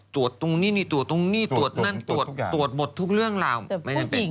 ตรวจนี่นี่ตรวจนี่ตรวจนั่นตรวจหมดทุกเรื่องนาวมันไม่มีอะไรเป็น